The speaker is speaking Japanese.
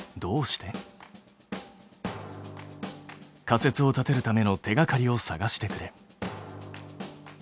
仮説を立てるための手がかりを探してくれ。